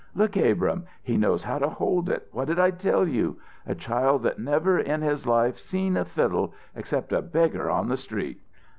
"Look, Abrahm! He knows how to hold it! What did I tell you? A child that never in his life seen a fiddle, except a beggar's on the street!"